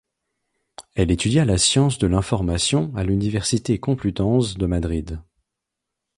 Elle étudia la science de l'information à l'Université Complutense de Madrid.